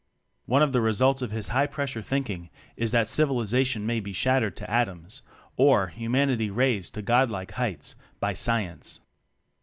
One of the results of his high pressure thinking is that: "Civilization may be shattered to atoms" or Hu manity raised to Godlike heights, by Science.